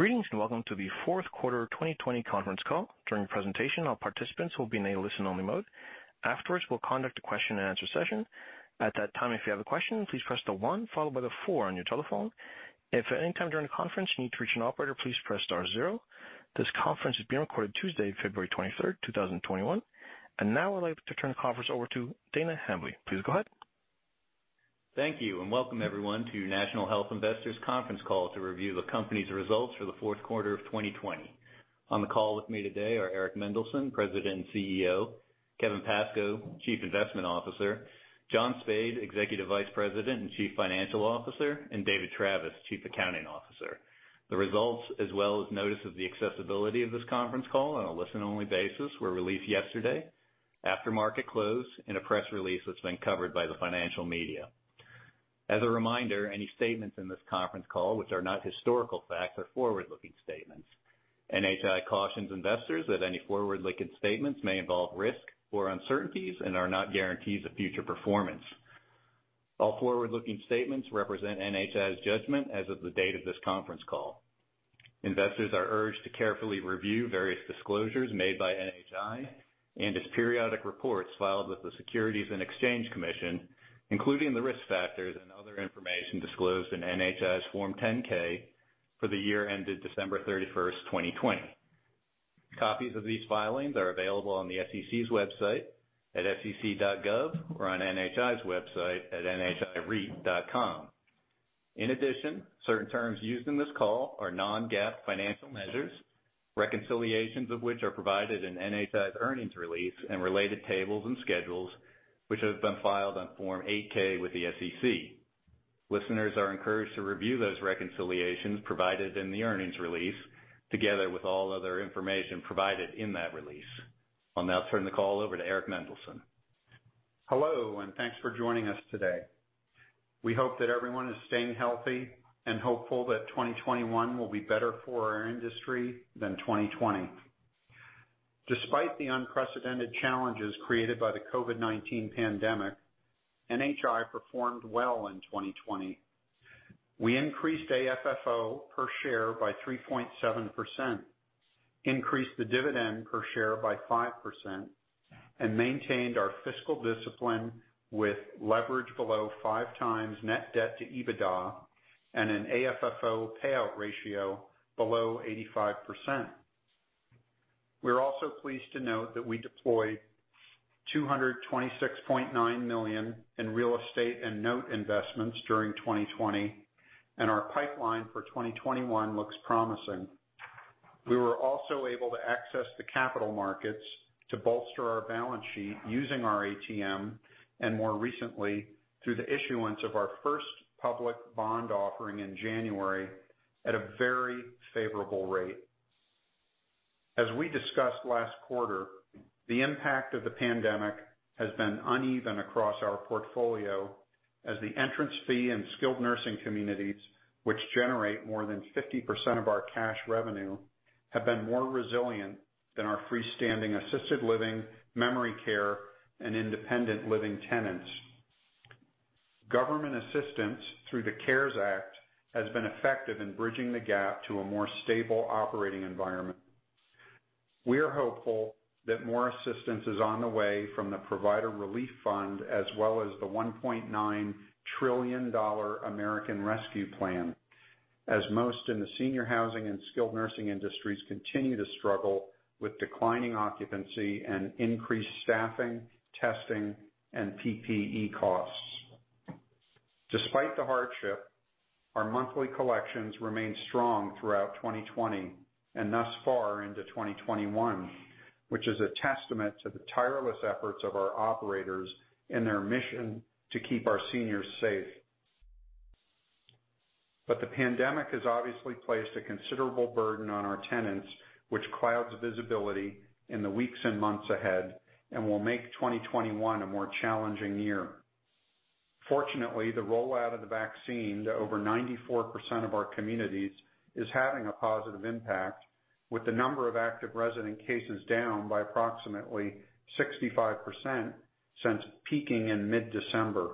Greetings, and welcome to the fourth quarter 2020 conference call. During the presentation, all participants will be in a listen-only mode. Afterwards, we'll conduct a question and answer session. At that time, if you have a question, please press the one followed by the four on your telephone. If at any time during the conference you need to reach an operator, please press star zero. This conference is being recorded Tuesday, February 23rd, 2021. Now I'd like to turn the conference over to Dana Hambly. Please go ahead. Thank you. Welcome everyone to National Health Investors conference call to review the company's results for the fourth quarter of 2020. On the call with me today are Eric Mendelsohn, President and CEO, Kevin Pascoe, Chief Investment Officer, John Spaid, Executive Vice President and Chief Financial Officer, and David Travis, Chief Accounting Officer. The results, as well as notice of the accessibility of this conference call on a listen-only basis, were released yesterday after market close in a press release that's been covered by the financial media. As a reminder, any statements in this conference call, which are not historical facts, are forward-looking statements. NHI cautions investors that any forward-looking statements may involve risk or uncertainties and are not guarantees of future performance. All forward-looking statements represent NHI's judgment as of the date of this conference call. Investors are urged to carefully review various disclosures made by NHI and its periodic reports filed with the Securities and Exchange Commission, including the risk factors and other information disclosed in NHI's Form 10-K for the year ended December 31st, 2020. Copies of these filings are available on the SEC's website at sec.gov or on NHI's website at nhireit.com. In addition, certain terms used in this call are non-GAAP financial measures, reconciliations of which are provided in NHI's earnings release and related tables and schedules, which have been filed on Form 8-K with the SEC. Listeners are encouraged to review those reconciliations provided in the earnings release, together with all other information provided in that release. I'll now turn the call over to Eric Mendelsohn. Hello, and thanks for joining us today. We hope that everyone is staying healthy and hopeful that 2021 will be better for our industry than 2020. Despite the unprecedented challenges created by the COVID-19 pandemic, NHI performed well in 2020. We increased AFFO per share by 3.7%, increased the dividend per share by 5%, and maintained our fiscal discipline with leverage below 5x net debt to EBITDA and an AFFO payout ratio below 85%. We're also pleased to note that we deployed $226.9 million in real estate and note investments during 2020. Our pipeline for 2021 looks promising. We were also able to access the capital markets to bolster our balance sheet using our ATM, and more recently, through the issuance of our first public bond offering in January at a very favorable rate. As we discussed last quarter, the impact of the pandemic has been uneven across our portfolio as the entrance fee and skilled nursing communities, which generate more than 50% of our cash revenue, have been more resilient than our freestanding assisted living, memory care, and independent living tenants. Government assistance through the CARES Act has been effective in bridging the gap to a more stable operating environment. We are hopeful that more assistance is on the way from the Provider Relief Fund as well as the $1.9 trillion American Rescue Plan, as most in the senior housing and skilled nursing industries continue to struggle with declining occupancy and increased staffing, testing, and PPE costs. Despite the hardship, our monthly collections remained strong throughout 2020 and thus far into 2021, which is a testament to the tireless efforts of our operators and their mission to keep our seniors safe. The pandemic has obviously placed a considerable burden on our tenants, which clouds visibility in the weeks and months ahead and will make 2021 a more challenging year. Fortunately, the rollout of the vaccine to over 94% of our communities is having a positive impact, with the number of active resident cases down by approximately 65% since peaking in mid-December.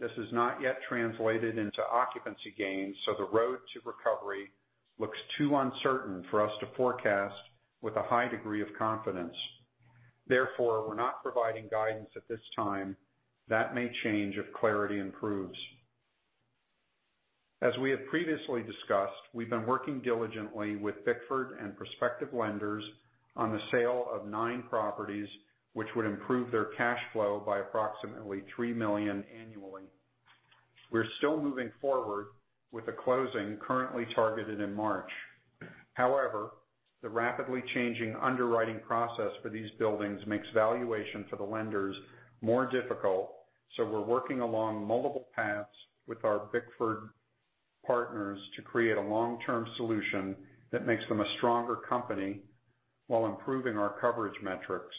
This has not yet translated into occupancy gains, so the road to recovery looks too uncertain for us to forecast with a high degree of confidence. We're not providing guidance at this time. That may change if clarity improves. As we have previously discussed, we've been working diligently with Bickford and prospective lenders on the sale of nine properties, which would improve their cash flow by approximately $3 million annually. We're still moving forward with the closing currently targeted in March. The rapidly changing underwriting process for these buildings makes valuation for the lenders more difficult, we're working along multiple paths with our Bickford partners to create a long-term solution that makes them a stronger company while improving our coverage metrics.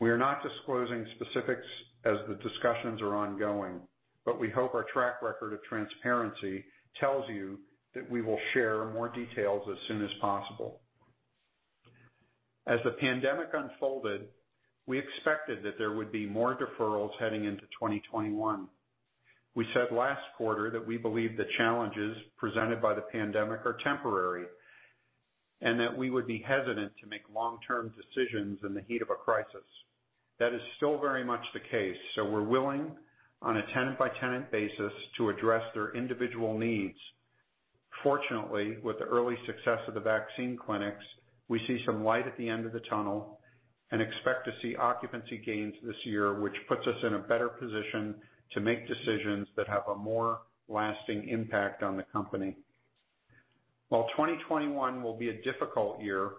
We are not disclosing specifics as the discussions are ongoing, we hope our track record of transparency tells you that we will share more details as soon as possible. As the pandemic unfolded, we expected that there would be more deferrals heading into 2021. We said last quarter that we believe the challenges presented by the pandemic are temporary, and that we would be hesitant to make long-term decisions in the heat of a crisis. That is still very much the case, we're willing, on a tenant-by-tenant basis, to address their individual needs. Fortunately, with the early success of the vaccine clinics, we see some light at the end of the tunnel and expect to see occupancy gains this year, which puts us in a better position to make decisions that have a more lasting impact on the company. While 2021 will be a difficult year,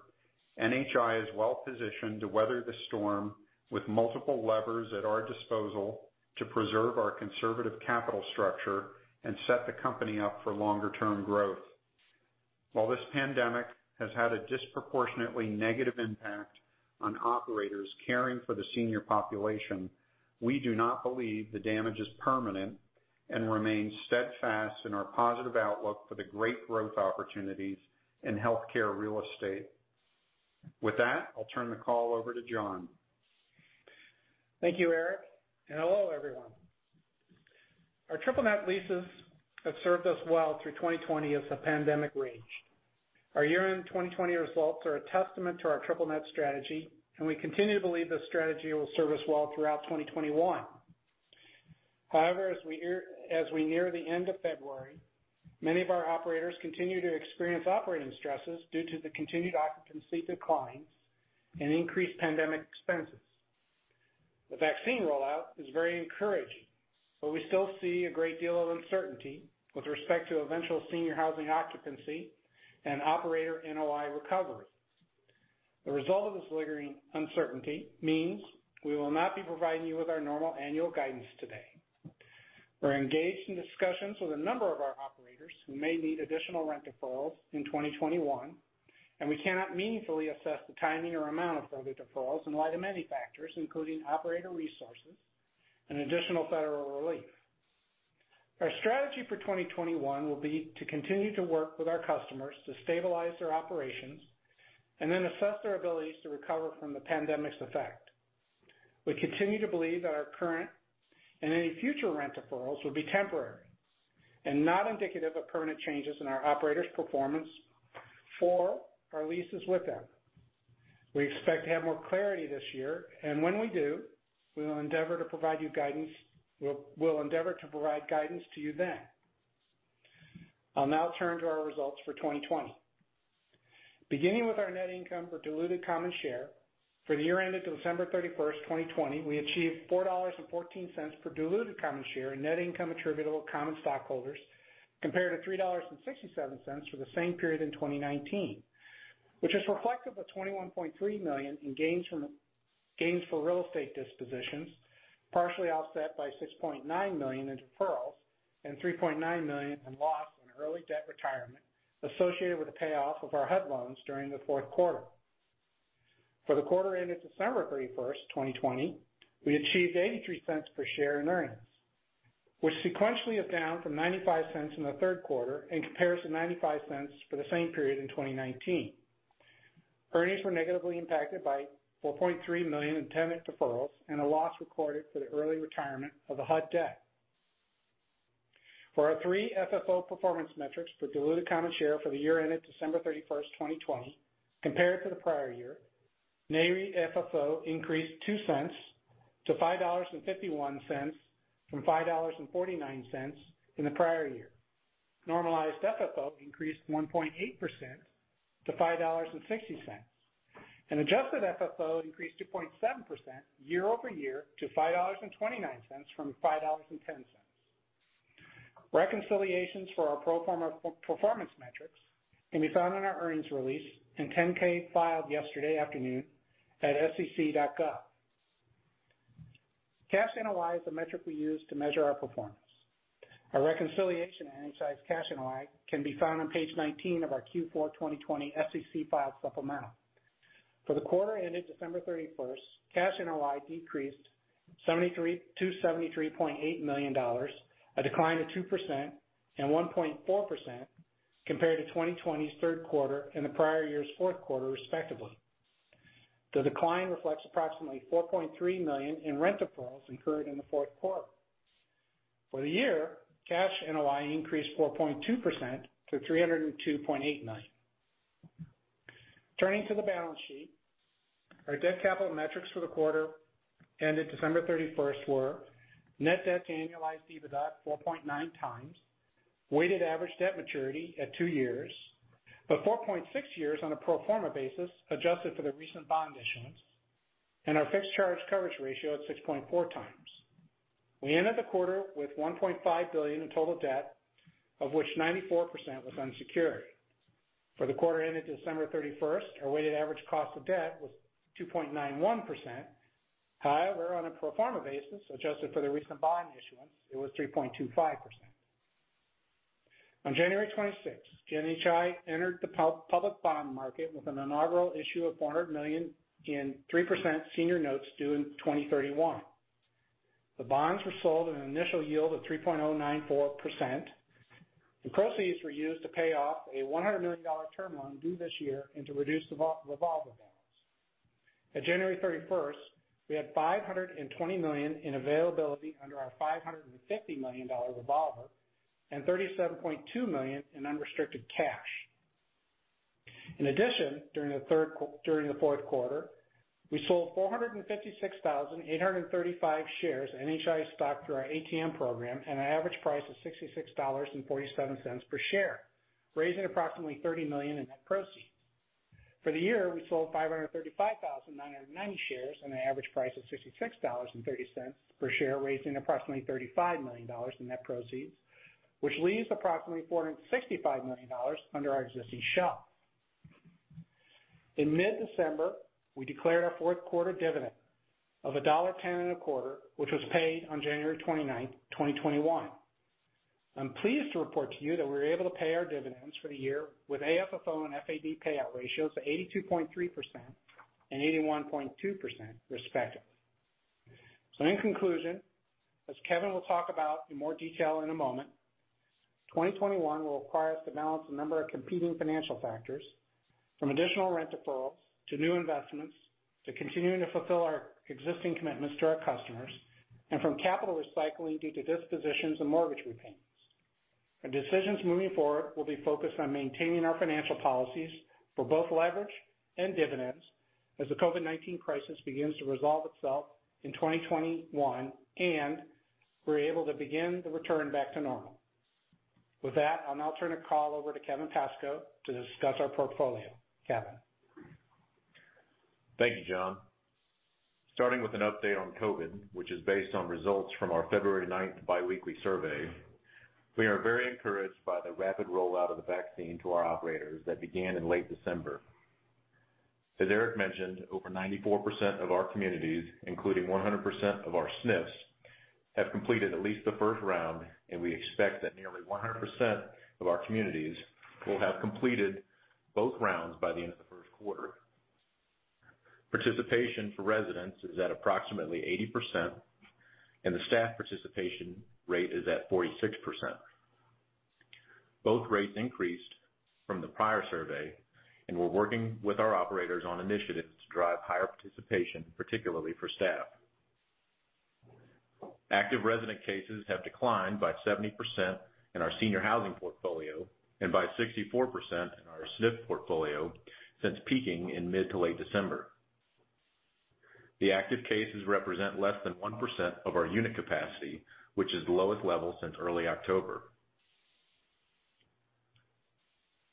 NHI is well positioned to weather the storm with multiple levers at our disposal to preserve our conservative capital structure and set the company up for longer-term growth. While this pandemic has had a disproportionately negative impact on operators caring for the senior population, we do not believe the damage is permanent and remain steadfast in our positive outlook for the great growth opportunities in healthcare real estate. With that, I'll turn the call over to John. Thank you, Eric. Hello, everyone. Our triple net leases have served us well through 2020 as the pandemic raged. Our year-end 2020 results are a testament to our triple net strategy. We continue to believe this strategy will serve us well throughout 2021. As we near the end of February, many of our operators continue to experience operating stresses due to the continued occupancy declines and increased pandemic expenses. The vaccine rollout is very encouraging. We still see a great deal of uncertainty with respect to eventual senior housing occupancy and operator NOI recovery. The result of this lingering uncertainty means we will not be providing you with our normal annual guidance today. We're engaged in discussions with a number of our operators who may need additional rent deferrals in 2021, and we cannot meaningfully assess the timing or amount of further deferrals in light of many factors, including operator resources and additional federal relief. Our strategy for 2021 will be to continue to work with our customers to stabilize their operations and then assess their abilities to recover from the pandemic's effect. We continue to believe that our current and any future rent deferrals will be temporary and not indicative of permanent changes in our operators' performance for our leases with them. We expect to have more clarity this year, and when we do, we will endeavor to provide guidance to you then. I'll now turn to our results for 2020. Beginning with our net income per diluted common share for the year ended December 31st, 2020, we achieved $4.14 per diluted common share in net income attributable to common stockholders, compared to $3.67 for the same period in 2019, which is reflective of $21.3 million in gains for real estate dispositions, partially offset by $6.9 million in deferrals and $3.9 million in loss on early debt retirement associated with the payoff of our HUD loans during the fourth quarter. For the quarter ended December 31st, 2020, we achieved $0.83 per share in earnings, which sequentially is down from $0.95 in the third quarter and compares to $0.95 for the same period in 2019. Earnings were negatively impacted by $4.3 million in tenant deferrals and a loss recorded for the early retirement of the HUD debt. For our three FFO performance metrics for diluted common share for the year ended December 31st, 2020, compared to the prior year, NAREIT FFO increased $0.02 to $5.51 from $5.49 in the prior year. Normalized FFO increased 1.8% to $5.60. Adjusted FFO increased 2.7% year-over-year to $5.29 from $5.10. Reconciliations for our pro forma performance metrics can be found in our earnings release and 10-K filed yesterday afternoon at sec.gov. Cash NOI is the metric we use to measure our performance. Our reconciliation of NHI's Cash NOI can be found on page 19 of our Q4 2020 SEC filed supplemental. For the quarter ended December 31st, Cash NOI decreased to $73.8 million, a decline of 2% and 1.4% compared to 2020's third quarter and the prior year's fourth quarter, respectively. The decline reflects approximately $4.3 million in rent deferrals incurred in the fourth quarter. For the year, Cash NOI increased 4.2% to $302.8 million. Turning to the balance sheet, our debt capital metrics for the quarter ended December 31st were net debt to annualized EBITDA 4.9x, weighted average debt maturity at two years, but 4.6 years on a pro forma basis adjusted for the recent bond issuance, and our fixed charge coverage ratio at 6.4x. We ended the quarter with $1.5 billion in total debt, of which 94% was unsecured. For the quarter ended December 31st, our weighted average cost of debt was 2.91%. However, on a pro forma basis, adjusted for the recent bond issuance, it was 3.25%. On January 26th, NHI entered the public bond market with an inaugural issue of $400 million in 3% senior notes due in 2031. The bonds were sold at an initial yield of 3.094%. The proceeds were used to pay off a $100 million term loan due this year, and to reduce the revolver balance. At January 31st, we had $520 million in availability under our $550 million revolver and $37.2 million in unrestricted cash. In addition, during the fourth quarter, we sold 456,835 shares of NHI stock through our ATM program at an average price of $66.47 per share, raising approximately $30 million in. For the year, we sold 535,990 shares at an average price of $66.30 per share, raising approximately $35 million in net proceeds, which leaves approximately $465 million under our existing shelf. In mid-December, we declared our fourth quarter dividend of $1.10 and a quarter, which was paid on January 29th, 2021. I'm pleased to report to you that we were able to pay our dividends for the year with AFFO and FAD payout ratios of 82.3% and 81.2% respectively. In conclusion, as Kevin will talk about in more detail in a moment, 2021 will require us to balance a number of competing financial factors, from additional rent deferrals to new investments, to continuing to fulfill our existing commitments to our customers, and from capital recycling due to dispositions and mortgage repayments. Our decisions moving forward will be focused on maintaining our financial policies for both leverage and dividends as the COVID-19 crisis begins to resolve itself in 2021, and we're able to begin the return back to normal. With that, I'll now turn the call over to Kevin Pascoe to discuss our portfolio. Kevin? Thank you, John. Starting with an update on COVID, which is based on results from our February 9th biweekly survey. We are very encouraged by the rapid rollout of the vaccine to our operators that began in late December. As Eric mentioned, over 94% of our communities, including 100% of our SNFs, have completed at least the first round, and we expect that nearly 100% of our communities will have completed both rounds by the end of the first quarter. Participation for residents is at approximately 80%, and the staff participation rate is at 46%. Both rates increased from the prior survey, and we're working with our operators on initiatives to drive higher participation, particularly for staff. Active resident cases have declined by 70% in our senior housing portfolio and by 64% in our SNF portfolio since peaking in mid to late December. The active cases represent less than 1% of our unit capacity, which is the lowest level since early October.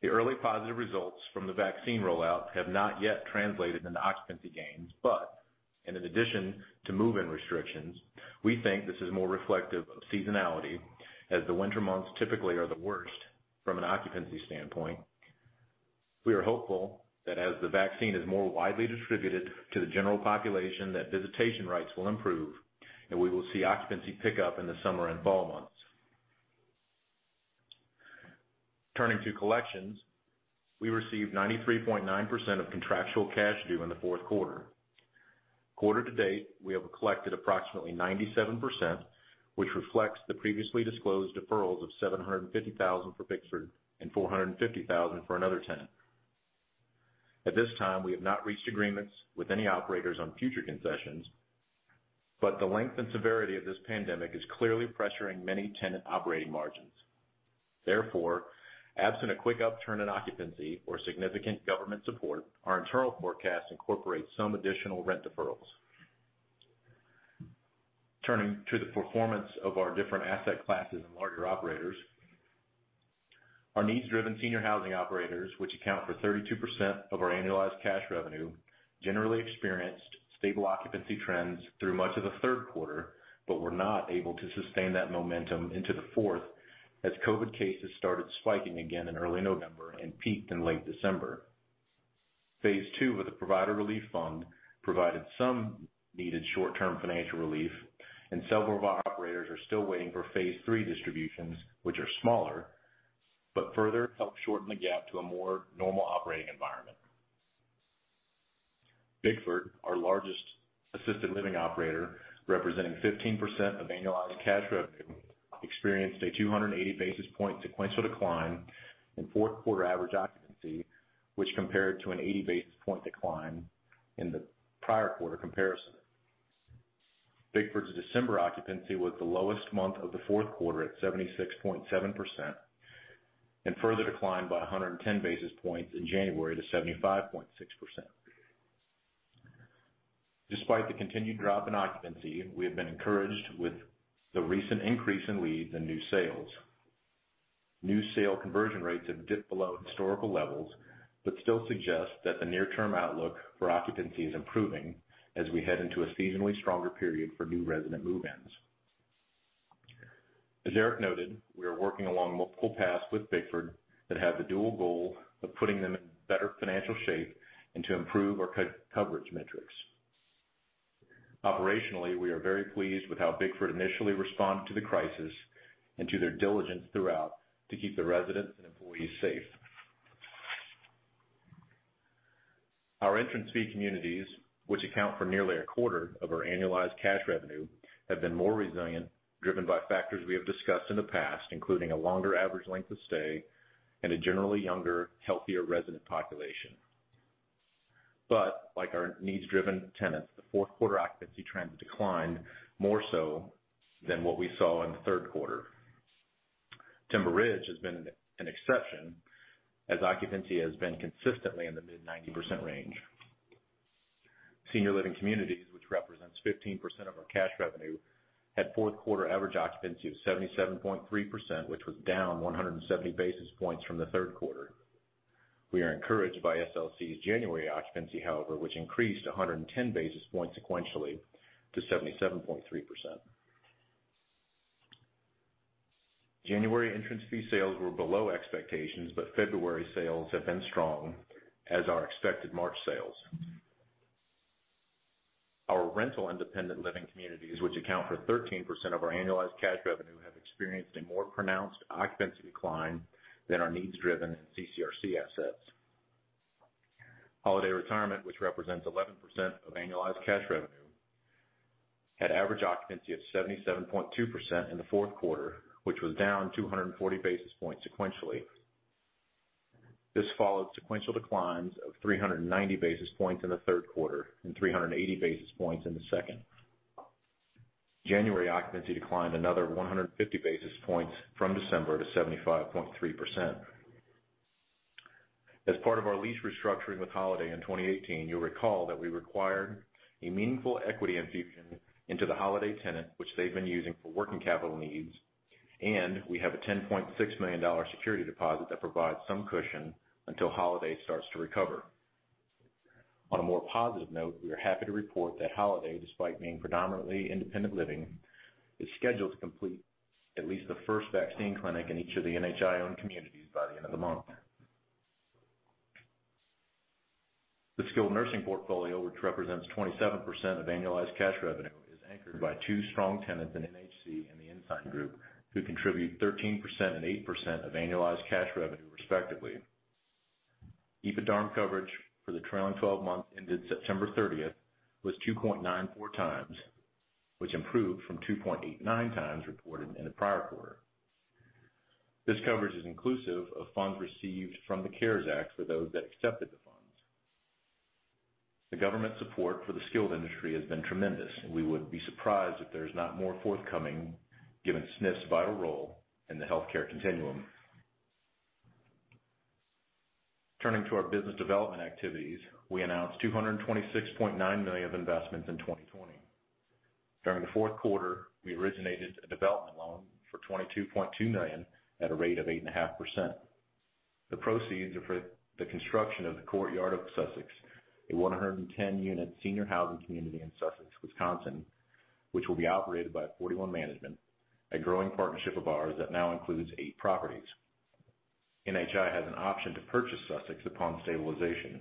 The early positive results from the vaccine rollout have not yet translated into occupancy gains, in addition to move-in restrictions, we think this is more reflective of seasonality as the winter months typically are the worst from an occupancy standpoint. We are hopeful that as the vaccine is more widely distributed to the general population, that visitation rates will improve and we will see occupancy pick up in the summer and fall months. Turning to collections, we received 93.9% of contractual cash due in the fourth quarter. Quarter to date, we have collected approximately 97%, which reflects the previously disclosed deferrals of $750,000 for Bickford and $450,000 for another tenant. At this time, we have not reached agreements with any operators on future concessions, but the length and severity of this pandemic is clearly pressuring many tenant operating margins. Therefore, absent a quick upturn in occupancy or significant government support, our internal forecast incorporates some additional rent deferrals. Turning to the performance of our different asset classes and larger operators. Our needs-driven senior housing operators, which account for 32% of our annualized cash revenue, generally experienced stable occupancy trends through much of the third quarter, but were not able to sustain that momentum into the fourth as COVID-19 cases started spiking again in early November and peaked in late December. Phase II of the Provider Relief Fund provided some needed short-term financial relief, and several of our operators are still waiting for phase III distributions, which are smaller, but further help shorten the gap to a more normal operating environment. Bickford, our largest assisted living operator, representing 15% of annualized cash revenue, experienced a 280-basis point sequential decline in fourth quarter average occupancy, which compared to an 80-basis point decline in the prior quarter comparison. Bickford's December occupancy was the lowest month of the fourth quarter at 76.7% and further declined by 110 basis points in January to 75.6%. Despite the continued drop in occupancy, we have been encouraged with the recent increase in leads and new sales. New sale conversion rates have dipped below historical levels, but still suggest that the near-term outlook for occupancy is improving as we head into a seasonally stronger period for new resident move-ins. As Eric noted, we are working along multiple paths with Bickford that have the dual goal of putting them in better financial shape and to improve our coverage metrics. Operationally, we are very pleased with how Bickford initially responded to the crisis and to their diligence throughout to keep the residents and employees safe. Our entrance fee communities, which account for nearly a quarter of our annualized cash revenue, have been more resilient, driven by factors we have discussed in the past, including a longer average length of stay and a generally younger, healthier resident population. Like our needs-driven tenants, the fourth quarter occupancy trends declined more so than what we saw in the third quarter. Timber Ridge has been an exception, as occupancy has been consistently in the mid-90% range. Senior Living Communities, which represents 15% of our cash revenue, had fourth quarter average occupancy of 77.3%, which was down 170 basis points from the third quarter. We are encouraged by SLC's January occupancy, however, which increased 110 basis points sequentially to 77.3%. January entrance fee sales were below expectations. February sales have been strong, as are expected March sales. Our rental independent living communities, which account for 13% of our annualized cash revenue, have experienced a more pronounced occupancy decline than our needs-driven CCRC assets. Holiday Retirement, which represents 11% of annualized cash revenue, had average occupancy of 77.2% in the fourth quarter, which was down 240 basis points sequentially. This followed sequential declines of 390 basis points in the third quarter and 380 basis points in the second. January occupancy declined another 150 basis points from December to 75.3%. As part of our lease restructuring with Holiday in 2018, you'll recall that we required a meaningful equity infusion into the Holiday tenant, which they've been using for working capital needs. We have a $10.6 million security deposit that provides some cushion until Holiday starts to recover. On a more positive note, we are happy to report that Holiday, despite being predominantly independent living, is scheduled to complete at least the first vaccine clinic in each of the NHI-owned communities by the end of the month. The skilled nursing portfolio, which represents 27% of annualized cash revenue, is anchored by two strong tenants in NHC and The Ensign Group, who contribute 13% and 8% of annualized cash revenue, respectively. EBITDARM coverage for the trailing 12 months ended September 30th was 2.94x, which improved from 2.89x reported in the prior quarter. This coverage is inclusive of funds received from the CARES Act for those that accepted the funds. The government support for the skilled industry has been tremendous. We would be surprised if there's not more forthcoming given SNFs' vital role in the healthcare continuum. Turning to our business development activities, we announced $226.9 million of investments in 2020. During the fourth quarter, we originated a development loan for $22.2 million at a rate of 8.5%. The proceeds are for the construction of The Courtyard of Sussex, a 110-unit senior housing community in Sussex, Wisconsin, which will be operated by 41 Management, a growing partnership of ours that now includes eight properties. NHI has an option to purchase Sussex upon stabilization.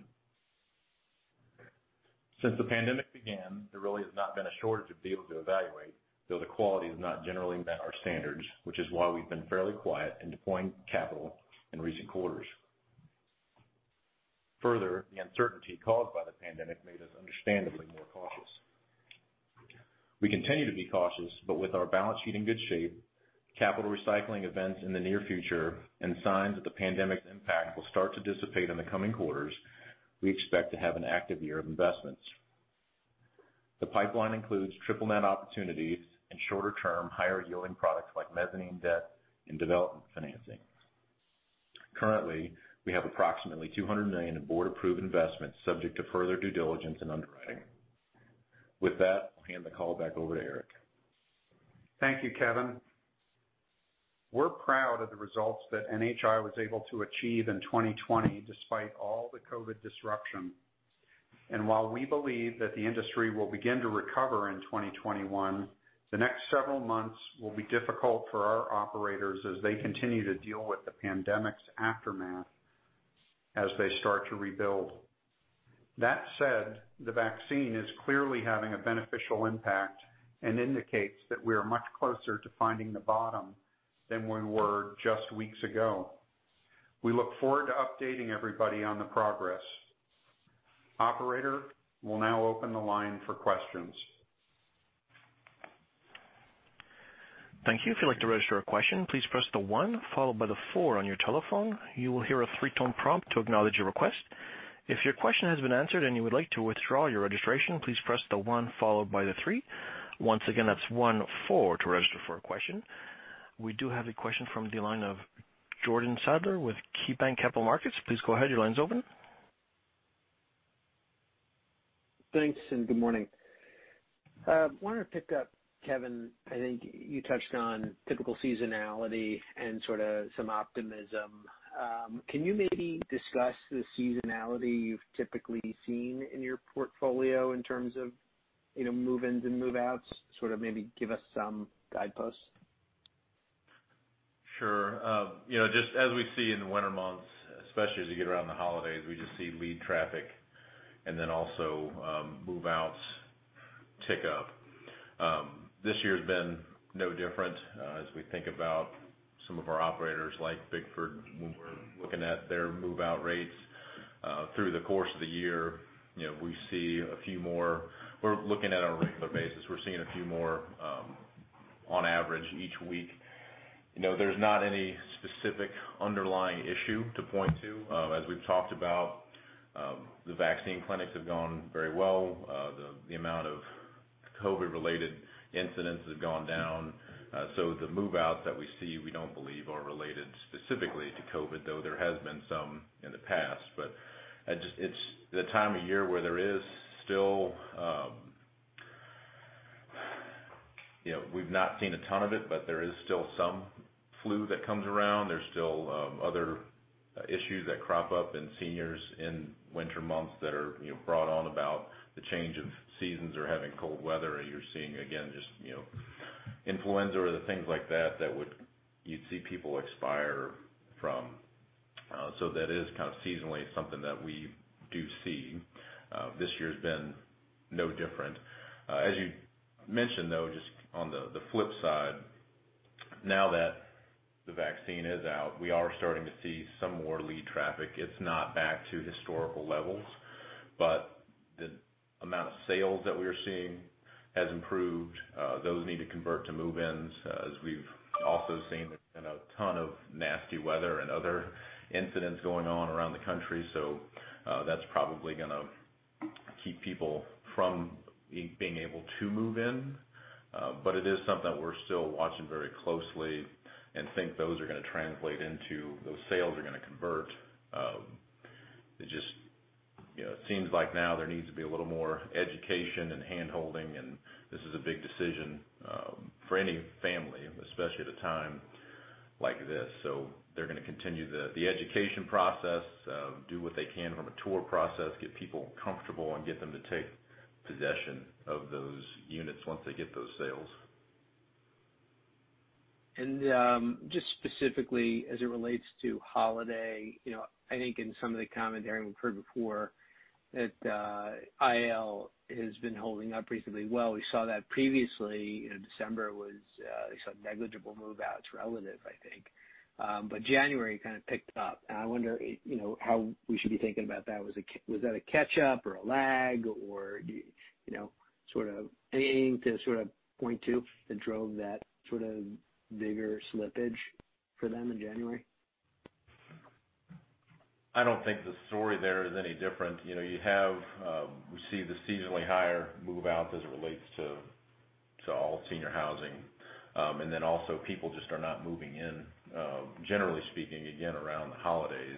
Since the pandemic began, there really has not been a shortage of deals to evaluate, though the quality has not generally met our standards, which is why we've been fairly quiet in deploying capital in recent quarters. The uncertainty caused by the pandemic made us understandably more cautious. We continue to be cautious, but with our balance sheet in good shape, capital recycling events in the near future, and signs that the pandemic's impact will start to dissipate in the coming quarters, we expect to have an active year of investments. The pipeline includes triple net opportunities and shorter-term, higher-yielding products like mezzanine debt and development financing. Currently, we have approximately $200 million in board-approved investments subject to further due diligence and underwriting. With that, I'll hand the call back over to Eric. Thank you, Kevin. We're proud of the results that NHI was able to achieve in 2020 despite all the COVID-19 disruption. While we believe that the industry will begin to recover in 2021, the next several months will be difficult for our operators as they continue to deal with the pandemic's aftermath as they start to rebuild. That said, the vaccine is clearly having a beneficial impact and indicates that we are much closer to finding the bottom than we were just weeks ago. We look forward to updating everybody on the progress. Operator, we'll now open the line for questions. Thank you. If you'd like to register a question, please press the one followed by the four on your telephone. You will hear a three-tone prompt to acknowledge your request. If your question has been answered and you would like to withdraw your registration, please press the one followed by the three. Once again, that's one, four to register for a question. We do have a question from the line of Jordan Sadler with KeyBanc Capital Markets. Please go ahead. Your line's open. Thanks, good morning. I wanted to pick up, Kevin, I think you touched on typical seasonality and sort of some optimism. Can you maybe discuss the seasonality you've typically seen in your portfolio in terms of move-ins and move-outs? Sort of maybe give us some guideposts. Sure. Just as we see in the winter months, especially as you get around the holidays, we just see lead traffic and then also move-outs. tick up. This year has been no different as we think about some of our operators like Bickford, when we're looking at their move-out rates through the course of the year, we see a few more. We're looking at a regular basis. We're seeing a few more on average each week. There's not any specific underlying issue to point to. As we've talked about, the vaccine clinics have gone very well. The amount of COVID-related incidents has gone down. The move-outs that we see, we don't believe are related specifically to COVID, though there has been some in the past. It's the time of year where there is still. We've not seen a ton of it, but there is still some flu that comes around. There's still other issues that crop up in seniors in winter months that are brought on about the change of seasons or having cold weather, or you're seeing, again, just influenza or the things like that you'd see people expire from. That is kind of seasonally something that we do see. This year has been no different. As you mentioned, though, just on the flip side, now that the vaccine is out, we are starting to see some more lead traffic. It's not back to historical levels, but the amount of sales that we are seeing has improved. Those need to convert to move-ins. As we've also seen, there's been a ton of nasty weather and other incidents going on around the country. That's probably going to keep people from being able to move in. It is something that we're still watching very closely and think those are going to translate into those sales are going to convert. It just seems like now there needs to be a little more education and handholding, and this is a big decision for any family, especially at a time like this. They're going to continue the education process, do what they can from a tour process, get people comfortable, and get them to take possession of those units once they get those sales. Just specifically as it relates to Holiday, I think in some of the commentary we've heard before that IL has been holding up reasonably well. We saw that previously December, they saw negligible move-outs relative, I think. January kind of picked up, and I wonder how we should be thinking about that. Was that a catch-up or a lag, or anything to sort of point to that drove that sort of bigger slippage for them in January? I don't think the story there is any different. We see the seasonally higher move-out as it relates to all senior housing. People just are not moving in. Generally speaking, again, around the holidays.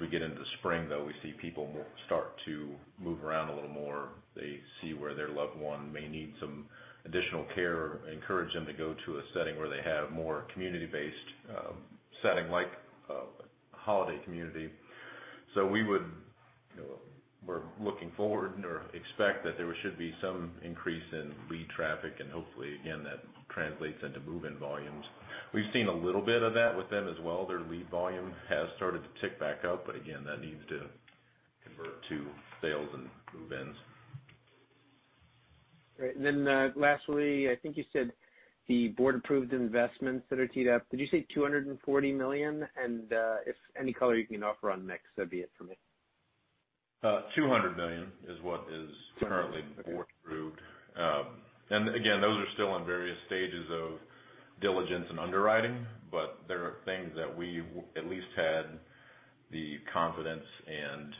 We get into the spring, though, we see people start to move around a little more. They see where their loved one may need some additional care, encourage them to go to a setting where they have more community-based setting, like a Holiday community. We're looking forward or expect that there should be some increase in lead traffic and hopefully, again, that translates into move-in volumes. We've seen a little bit of that with them as well. Their lead volume has started to tick back up, again, that needs to convert to sales and move-ins. Great. Lastly, I think you said the board approved investments that are teed up. Did you say $240 million? If any color you can offer on mix, that'd be it for me. $200 million is what is currently board approved. Okay. Again, those are still in various stages of diligence and underwriting, but there are things that we at least had the confidence and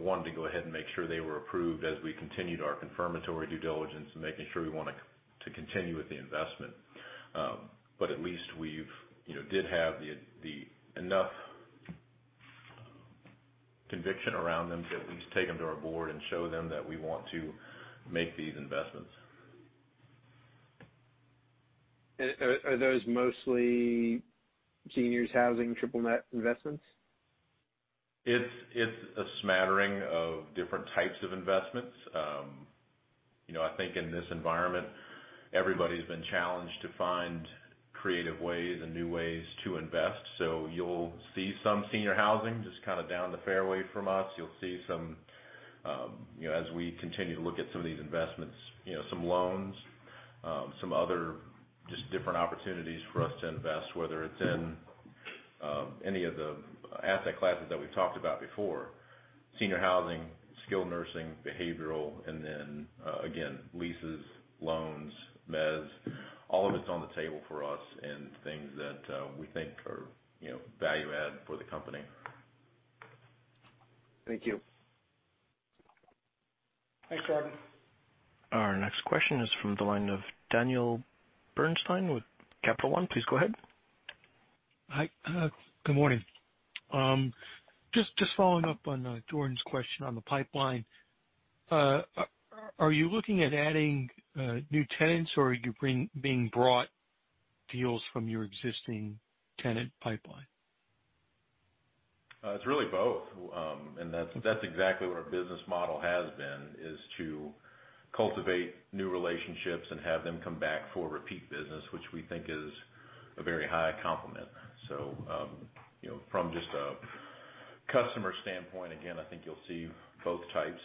wanted to go ahead and make sure they were approved as we continued our confirmatory due diligence and making sure we want to continue with the investment. At least we did have enough conviction around them to at least take them to our board and show them that we want to make these investments. Are those mostly seniors housing triple net investments? It's a smattering of different types of investments. I think in this environment, everybody's been challenged to find creative ways and new ways to invest. You'll see some senior housing just kind of down the fairway from us. You'll see some, as we continue to look at some of these investments, some loans, some other just different opportunities for us to invest, whether it's in any of the asset classes that we've talked about before, senior housing, skilled nursing, behavioral, and then, again, leases, loans, mezz, all of it's on the table for us and things that we think are value add for the company. Thank you. Thanks, Jordan. Our next question is from the line of Daniel Bernstein with Capital One. Please go ahead. Hi. Good morning. Just following up on Jordan's question on the pipeline. Are you looking at adding new tenants, or are you being brought deals from your existing tenant pipeline? It's really both. That's exactly what our business model has been, is to cultivate new relationships and have them come back for repeat business, which we think is a very high compliment. From just a customer standpoint, again, I think you'll see both types.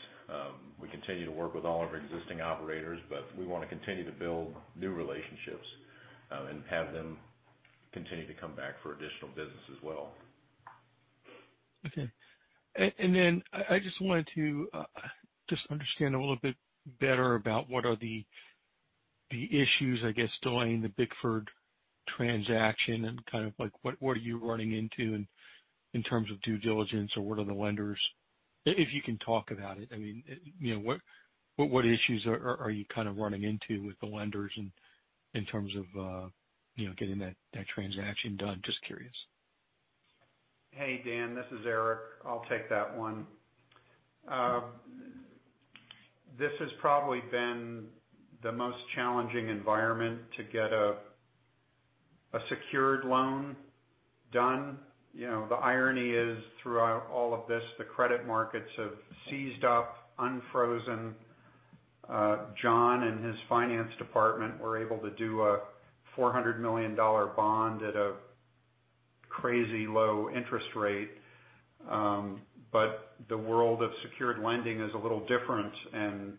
We continue to work with all of our existing operators, but we want to continue to build new relationships, and have them continue to come back for additional business as well. Okay. Then I wanted to understand a little bit better about what are the issues, I guess, delaying the Bickford transaction and what are you running into in terms of due diligence, or what are the lenders If you can talk about it, what issues are you running into with the lenders in terms of getting that transaction done? Just curious. Hey, Dan, this is Eric. I'll take that one. This has probably been the most challenging environment to get a secured loan done. The irony is throughout all of this, the credit markets have seized up, unfrozen. John and his finance department were able to do a $400 million bond at a crazy low interest rate. The world of secured lending is a little different, and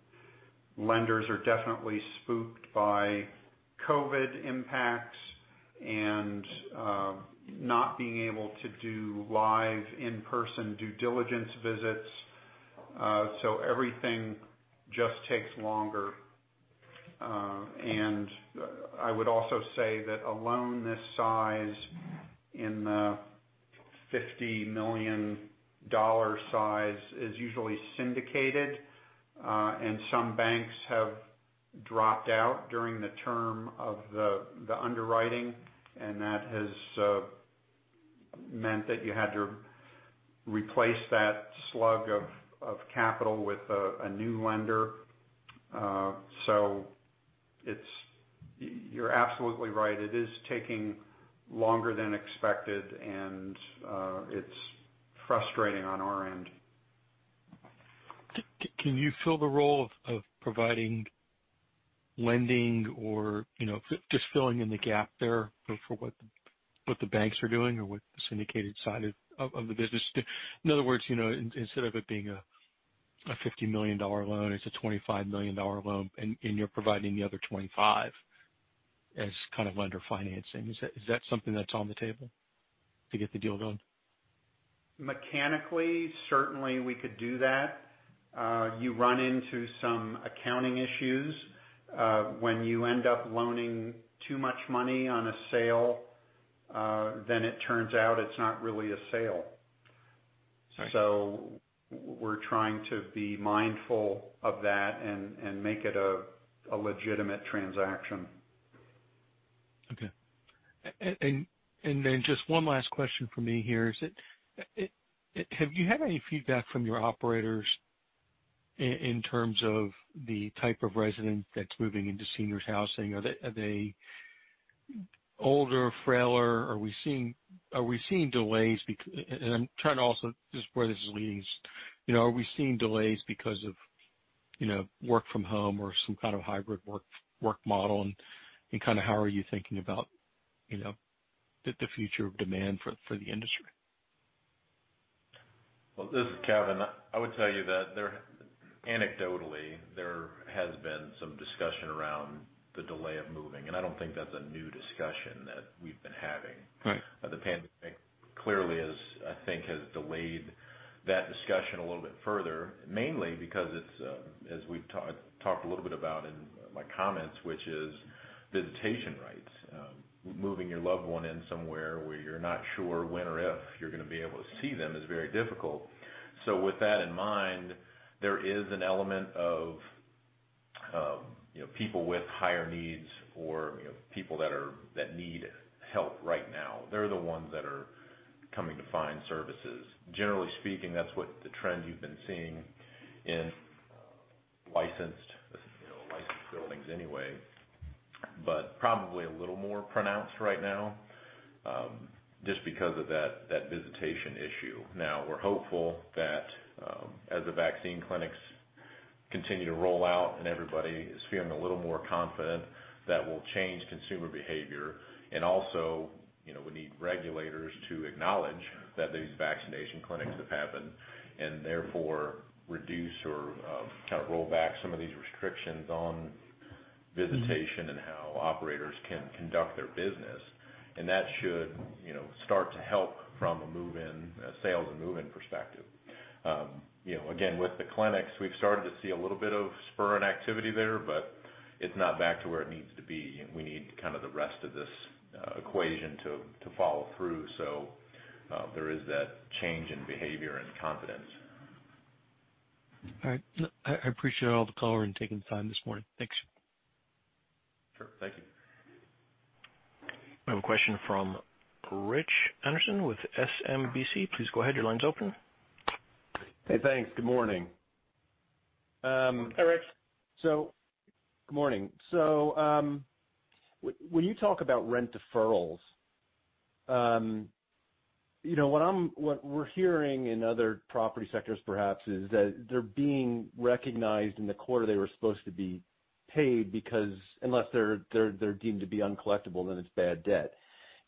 lenders are definitely spooked by COVID impacts and not being able to do live in-person due diligence visits. Everything just takes longer. I would also say that a loan this size, in the $50 million size, is usually syndicated. Some banks have dropped out during the term of the underwriting, and that has meant that you had to replace that slug of capital with a new lender. You're absolutely right. It is taking longer than expected, and it's frustrating on our end. Can you fill the role of providing lending or just filling in the gap there for what the banks are doing or what the syndicated side of the business? In other words, instead of it being a $50 million loan, it's a $25 million loan, and you're providing the other $25 million as kind of lender financing. Is that something that's on the table to get the deal done? Mechanically, certainly we could do that. You run into some accounting issues. When you end up loaning too much money on a sale, then it turns out it's not really a sale. Right. We're trying to be mindful of that and make it a legitimate transaction. Okay. Just one last question from me here is, have you had any feedback from your operators in terms of the type of resident that's moving into seniors housing? Are they older, frailer? I'm trying to also, just where this is leading. Are we seeing delays because of work from home or some kind of hybrid work model, and how are you thinking about the future of demand for the industry? Well, this is Kevin. I would tell you that anecdotally, there has been some discussion around the delay of moving, and I don't think that's a new discussion that we've been having. Right. The pandemic clearly, I think, has delayed that discussion a little bit further, mainly because it's, as we've talked a little bit about in my comments, which is visitation rights. Moving your loved one in somewhere where you're not sure when or if you're going to be able to see them is very difficult. With that in mind, there is an element of people with higher needs or people that need help right now. They're the ones that are coming to find services. Generally speaking, that's what the trend you've been seeing in licensed buildings anyway, but probably a little more pronounced right now, just because of that visitation issue. We're hopeful that as the vaccine clinics continue to roll out and everybody is feeling a little more confident, that will change consumer behavior. Also, we need regulators to acknowledge that these vaccination clinics have happened, and therefore reduce or kind of roll back some of these restrictions on visitation and how operators can conduct their business. That should start to help from a sales and move-in perspective. With the clinics, we've started to see a little bit of spur in activity there, but it's not back to where it needs to be. We need kind of the rest of this equation to follow through so there is that change in behavior and confidence. All right. I appreciate all the color and taking the time this morning. Thanks. Sure. Thank you. We have a question from Rich Anderson with SMBC. Please go ahead. Your line's open. Hey, thanks. Good morning. Hi, Rich. Good morning. When you talk about rent deferrals, what we're hearing in other property sectors, perhaps, is that they're being recognized in the quarter they were supposed to be paid because unless they're deemed to be uncollectible, then it's bad debt.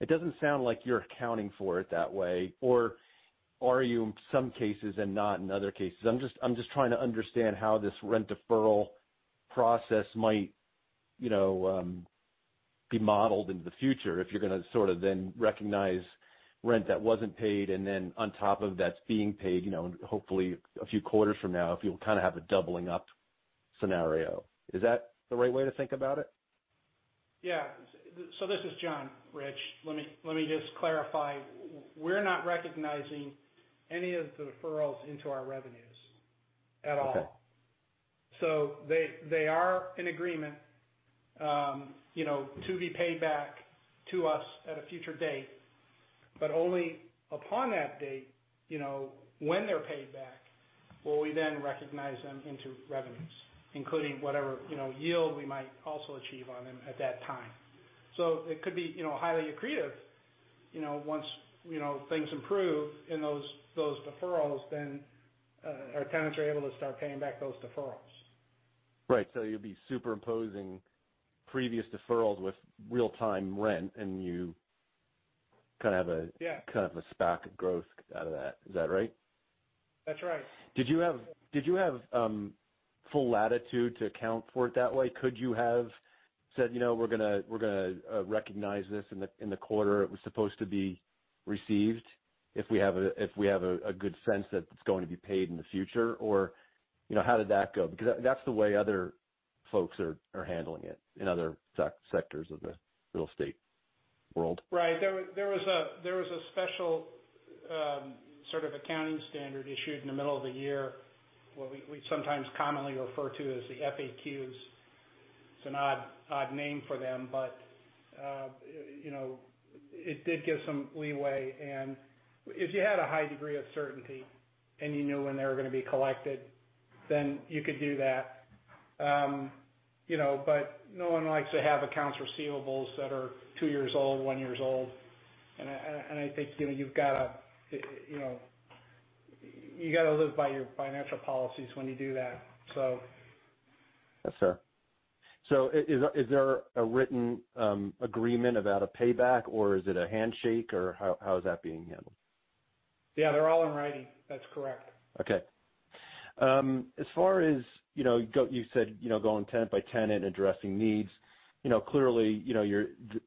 It doesn't sound like you're accounting for it that way. Or are you in some cases and not in other cases? I'm just trying to understand how this rent deferral process might be modeled into the future, if you're going to sort of then recognize rent that wasn't paid and then on top of that's being paid, hopefully a few quarters from now, if you'll kind of have a doubling up scenario. Is that the right way to think about it? Yeah. This is John, Rich. Let me just clarify. We're not recognizing any of the deferrals into our revenues at all. Okay. They are in agreement to be paid back to us at a future date, but only upon that date, when they're paid back, will we then recognize them into revenues, including whatever yield we might also achieve on them at that time. It could be highly accretive, once things improve in those deferrals, then our tenants are able to start paying back those deferrals. Right. You'll be superimposing previous deferrals with real-time rent. Yeah. Kind of a SPAC growth out of that. Is that right? That's right. Did you have full latitude to account for it that way? Could you have said, "We're going to recognize this in the quarter it was supposed to be received if we have a good sense that it's going to be paid in the future?" Or how did that go? That's the way other folks are handling it in other sectors of the real estate world. Right. There was a special sort of accounting standard issued in the middle of the year, what we sometimes commonly refer to as the FAQs. It's an odd name for them, but it did give some leeway, and if you had a high degree of certainty and you knew when they were going to be collected, then you could do that. No one likes to have accounts receivables that are two years old, one year old, and I think you've got to live by your financial policies when you do that. Yes, sir. Is there a written agreement about a payback, or is it a handshake, or how is that being handled? Yeah, they're all in writing. That's correct. Okay. As far as you said, going tenant by tenant, addressing needs, clearly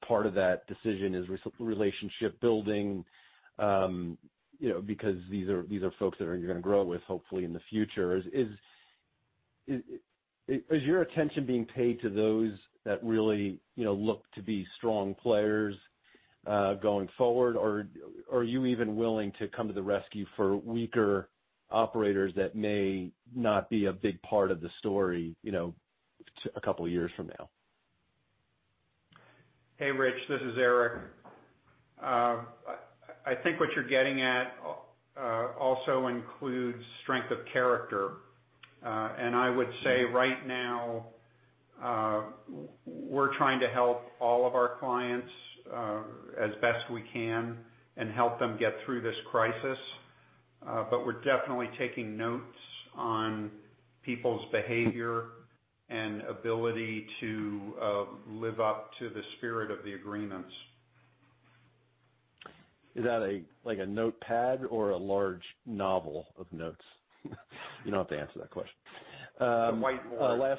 part of that decision is relationship building because these are folks that you're going to grow with hopefully in the future. Is your attention being paid to those that really look to be strong players going forward? Are you even willing to come to the rescue for weaker operators that may not be a big part of the story a couple of years from now? Hey, Rich, this is Eric. I think what you're getting at also includes strength of character. I would say right now we're trying to help all of our clients as best we can and help them get through this crisis. We're definitely taking notes on people's behavior and ability to live up to the spirit of the agreements. Is that like a notepad or a large novel of notes? You don't have to answer that question. A whiteboard.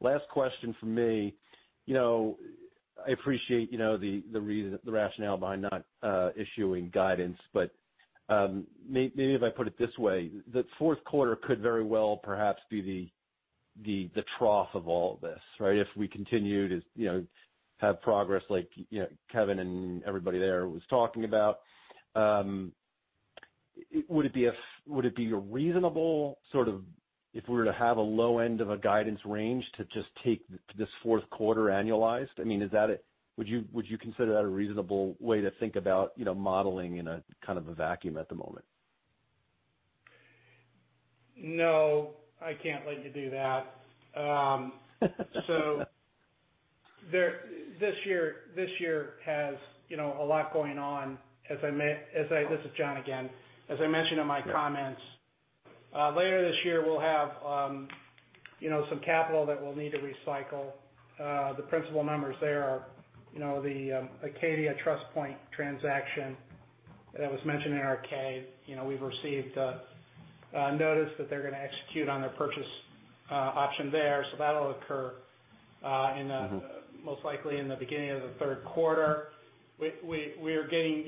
Last question from me. I appreciate the rationale behind not issuing guidance, but maybe if I put it this way, the fourth quarter could very well perhaps be the trough of all of this, right? If we continue to have progress like Kevin and everybody there was talking about, would it be reasonable sort of if we were to have a low end of a guidance range to just take this fourth quarter annualized? Would you consider that a reasonable way to think about modeling in a kind of a vacuum at the moment? No, I can't let you do that. This year has a lot going on. This is John again. As I mentioned in my comments, later this year, we'll have some capital that we'll need to recycle. The principal members there are the Acadia TrustPoint transaction that was mentioned in our Form 10-K. We've received a notice that they're going to execute on their purchase option there. That'll occur most likely in the beginning of the third quarter. We are getting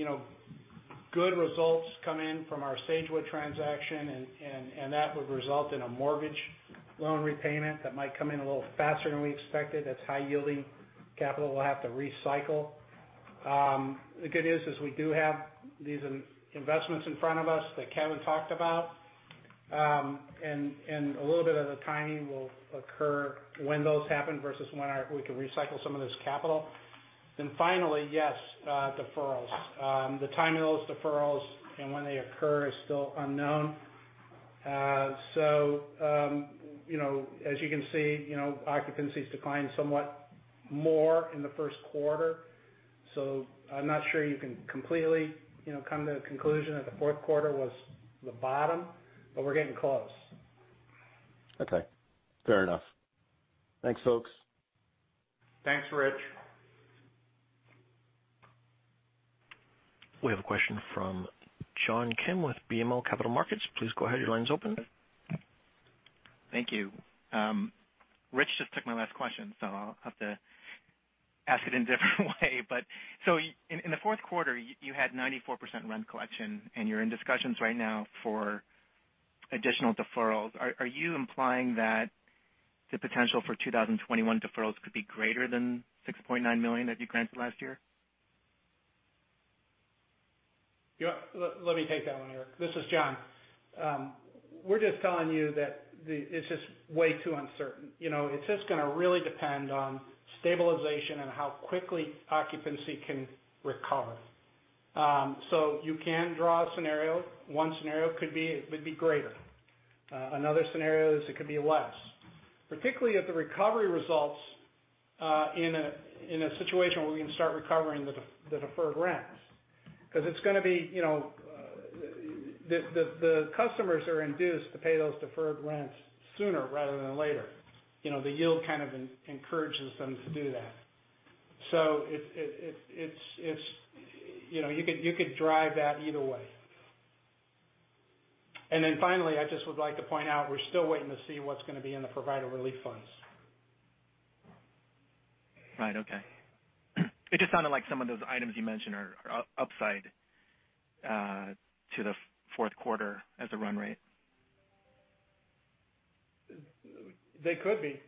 good results come in from our Sagewood transaction, and that would result in a mortgage loan repayment that might come in a little faster than we expected. That's high-yielding capital we'll have to recycle. The good news is we do have these investments in front of us that Kevin talked about. A little bit of the timing will occur when those happen versus when we can recycle some of this capital. Finally, yes, deferrals. The timing of those deferrals and when they occur is still unknown. As you can see, occupancy's declined somewhat more in the first quarter. I'm not sure you can completely come to the conclusion that the fourth quarter was the bottom, but we're getting close. Okay, fair enough. Thanks, folks. Thanks, Rich. We have a question from John Kim with BMO Capital Markets. Please go ahead. Your line's open. Thank you. Rich just took my last question, so I'll have to ask it in a different way. In the fourth quarter, you had 94% rent collection, and you're in discussions right now for additional deferrals. Are you implying that the potential for 2021 deferrals could be greater than $6.9 million that you granted last year? Let me take that one, Eric. This is John. We're just telling you that it's just way too uncertain. It's just going to really depend on stabilization and how quickly occupancy can recover. You can draw a scenario. One scenario could be it would be greater. Another scenario is it could be less, particularly if the recovery results in a situation where we can start recovering the deferred rents. The customers are induced to pay those deferred rents sooner rather than later. The yield kind of encourages them to do that. You could drive that either way. Finally, I just would like to point out we're still waiting to see what's going to be in the Provider Relief Fund. Right. Okay. It just sounded like some of those items you mentioned are upside to the fourth quarter as a run rate. They could be.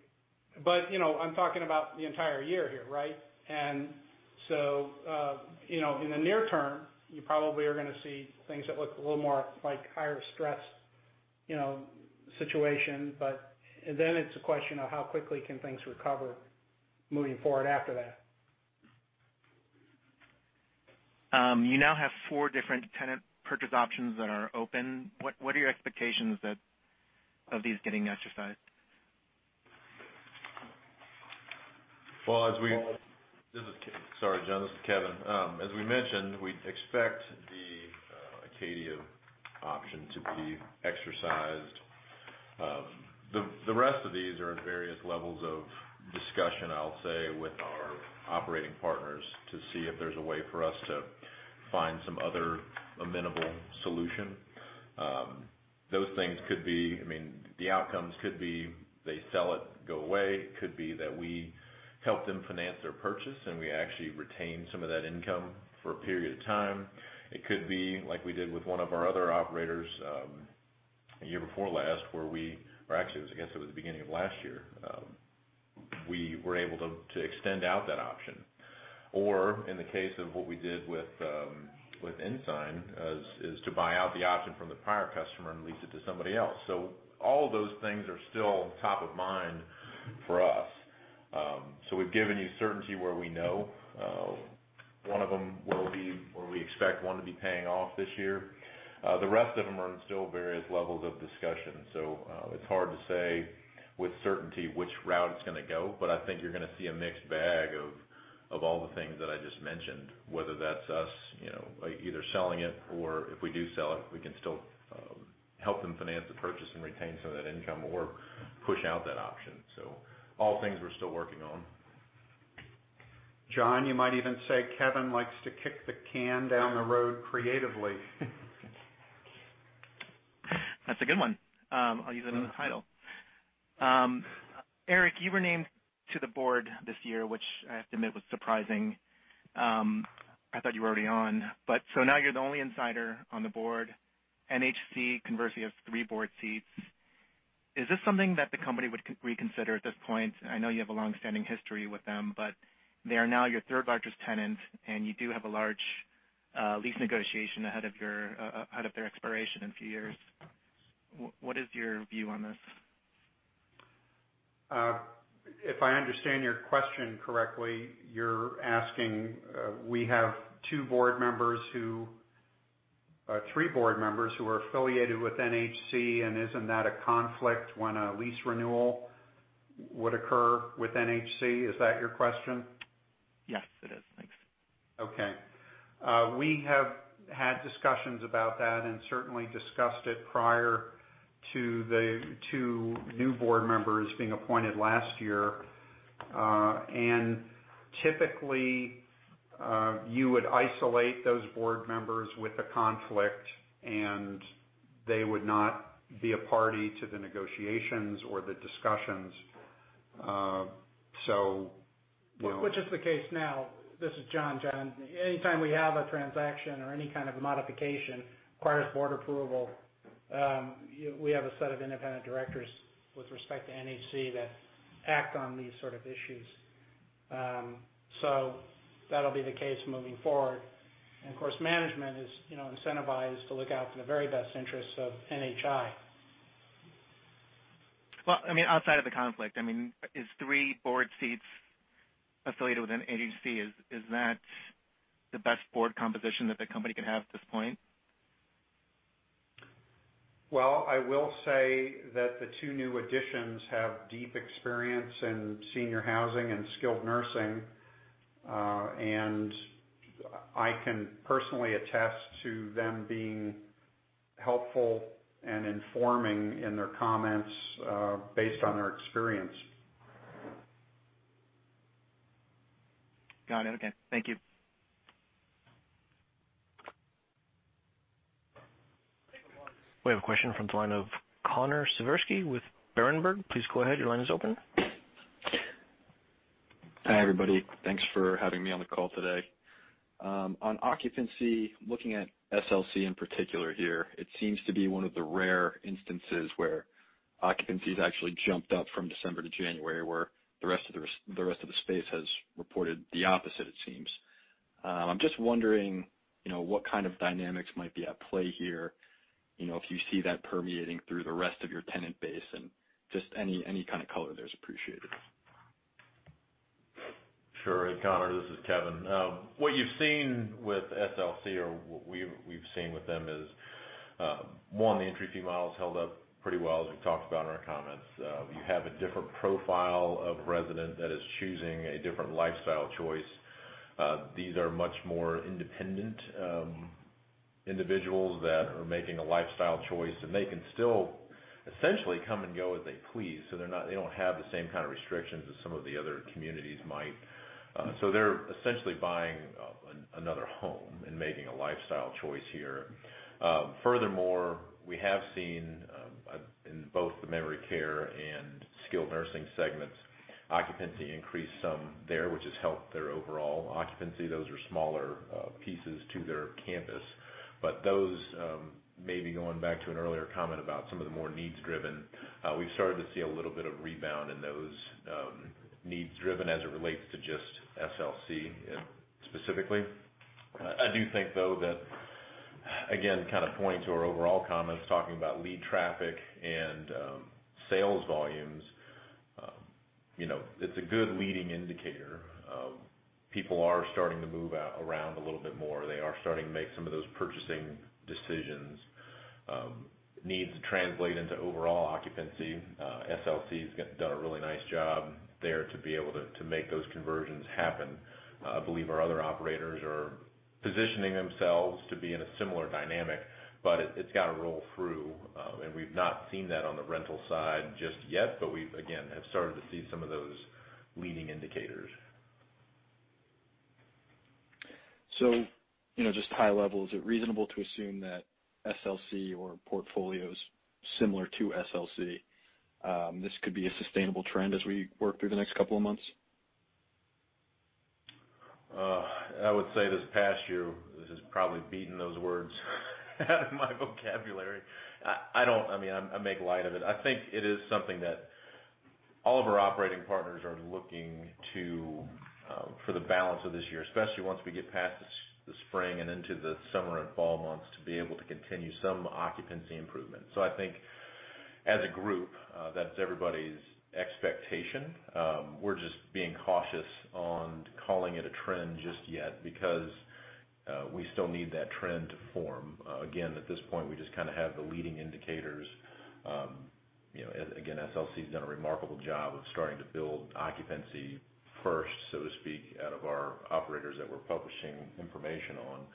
I'm talking about the entire year here. In the near term, you probably are going to see things that look a little more like higher stress situation. It's a question of how quickly can things recover moving forward after that. You now have four different tenant purchase options that are open. What are your expectations of these getting exercised? Sorry, John, this is Kevin. As we mentioned, we expect the Acadia option to be exercised. The rest of these are in various levels of discussion, I'll say, with our operating partners to see if there's a way for us to find some other amenable solution. The outcomes could be they sell it, go away. It could be that we help them finance their purchase, and we actually retain some of that income for a period of time. It could be like we did with one of our other operators the year before last, or actually, I guess it was the beginning of last year. We were able to extend out that option. In the case of what we did with Ensign, is to buy out the option from the prior customer and lease it to somebody else. All of those things are still top of mind for us. We've given you certainty where we know one of them will be, or we expect one to be paying off this year. The rest of them are in still various levels of discussion. It's hard to say with certainty which route it's going to go, but I think you're going to see a mixed bag of all the things that I just mentioned. Whether that's us either selling it or if we do sell it, we can still help them finance the purchase and retain some of that income or push out that option. All things we're still working on. John, you might even say Kevin likes to kick the can down the road creatively. That's a good one. I'll use that as a title. Eric, you were named to the board this year, which I have to admit was surprising. I thought you were already on. Now you're the only insider on the board. NHC conversely, has three board seats. Is this something that the company would reconsider at this point? I know you have a long-standing history with them, but they are now your third largest tenant, and you do have a large lease negotiation ahead of their expiration in a few years. What is your view on this? If I understand your question correctly, you're asking, we have three board members who are affiliated with NHC, and isn't that a conflict when a lease renewal would occur with NHC? Is that your question? Yes, it is. Thanks. Okay. We have had discussions about that and certainly discussed it prior to the two new board members being appointed last year. Typically, you would isolate those board members with a conflict, and they would not be a party to the negotiations or the discussions. Which is the case now. This is John. John, anytime we have a transaction or any kind of modification, requires board approval. We have a set of independent directors with respect to NHC that act on these sort of issues. That'll be the case moving forward. Of course, management is incentivized to look out for the very best interests of NHI. Well, outside of the conflict, is three board seats affiliated with NHC, is that the best board composition that the company could have at this point? Well, I will say that the two new additions have deep experience in senior housing and skilled nursing, and I can personally attest to them being helpful and informing in their comments based on their experience. Got it. Okay. Thank you. We have a question from the line of Connor Siversky with Berenberg. Please go ahead. Your line is open. Hi, everybody. Thanks for having me on the call today. On occupancy, looking at SLC in particular here, it seems to be one of the rare instances where occupancy has actually jumped up from December to January, where the rest of the space has reported the opposite, it seems. I'm just wondering, what kind of dynamics might be at play here, if you see that permeating through the rest of your tenant base, and just any kind of color there is appreciated. Sure. Hey, Connor, this is Kevin. What you've seen with SLC or what we've seen with them is, one, the entry fee model's held up pretty well, as we've talked about in our comments. You have a different profile of resident that is choosing a different lifestyle choice. These are much more independent individuals that are making a lifestyle choice. They can still essentially come and go as they please. They don't have the same kind of restrictions as some of the other communities might. They're essentially buying another home and making a lifestyle choice here. Furthermore, we have seen, in both the memory care and skilled nursing segments, occupancy increase some there, which has helped their overall occupancy. Those are smaller pieces to their campus. Those, maybe going back to an earlier comment about some of the more needs-driven, we've started to see a little bit of rebound in those needs-driven as it relates to just SLC specifically. I do think, though, that, again, kind of pointing to our overall comments, talking about lead traffic and sales volumes, it's a good leading indicator. People are starting to move around a little bit more. They are starting to make some of those purchasing decisions. Needs translate into overall occupancy. SLC has done a really nice job there to be able to make those conversions happen. I believe our other operators are positioning themselves to be in a similar dynamic, but it's got to roll through. We've not seen that on the rental side just yet, but we, again, have started to see some of those leading indicators. Just high level, is it reasonable to assume that SLC or portfolios similar to SLC, this could be a sustainable trend as we work through the next couple of months? I would say this past year has probably beaten those words out of my vocabulary. I make light of it. I think it is something that all of our operating partners are looking to for the balance of this year, especially once we get past the spring and into the summer and fall months, to be able to continue some occupancy improvement. I think as a group, that's everybody's expectation. We're just being cautious on calling it a trend just yet because we still need that trend to form. At this point, we just kind of have the leading indicators. SLC's done a remarkable job of starting to build occupancy first, so to speak, out of our operators that we're publishing information on.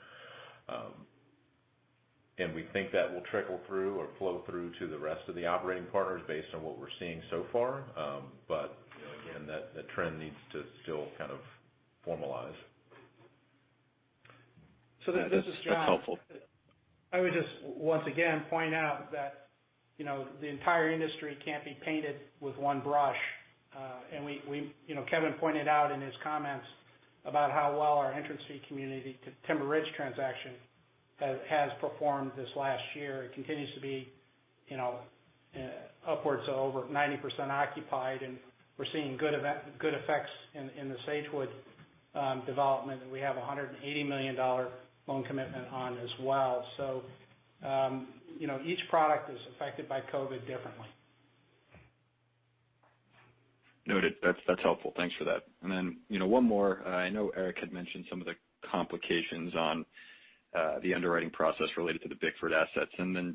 We think that will trickle through or flow through to the rest of the operating partners based on what we're seeing so far. Again, that trend needs to still kind of formalize. That's helpful. This is John. I would just once again point out that the entire industry can't be painted with one brush. Kevin pointed out in his comments about how well our entrance fee community, Timber Ridge transaction, has performed this last year. It continues to be upwards of over 90% occupied, and we're seeing good effects in the Sagewood development, and we have $180 million loan commitment on as well. Each product is affected by COVID-19 differently. Noted. That's helpful. Thanks for that. One more. I know Eric had mentioned some of the complications on the underwriting process related to the Bickford assets.